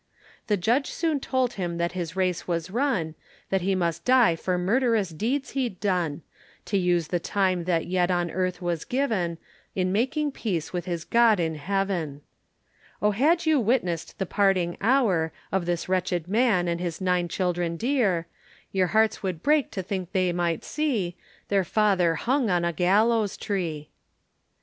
The Judge soon told him that his race was run, That he must die for murderous deeds he'd done, To use the time that yet on earth was given, In making peace with his God in heaven. O had you witness'd the parting hour, Of this wretched man and his nine children dear, Your hearts would break to think that they might see, Their father hung upon a gallows tree.